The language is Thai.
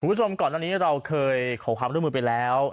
คุณผู้ชมก่อนอันนี้เราเคยขอความร่วมมือไปแล้ว